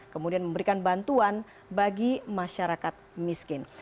kemudian kemudian kemudian kemudian